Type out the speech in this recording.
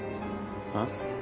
あっ？